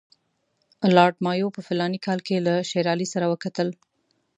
لارډ مایو په فلاني کال کې له شېر علي سره وکتل.